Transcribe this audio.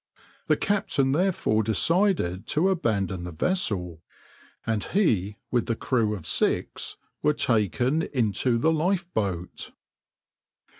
The captain therefore decided to abandon the vessel, and he, with the crew of six, were taken into the lifeboat.